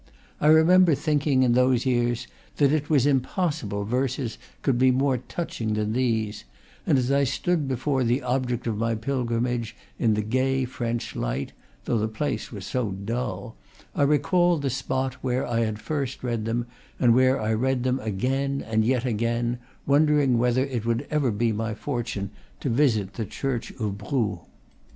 I remember thinking, in those years, that it was impossible verses could be more touching than these; and as I stood before the object of my pilgrimage, in the gay French light (though the place was so dull), I recalled the spot where I had first read them, and where I read them again and yet again, wondering whether it would ever be my fortune to visit the church of Brou.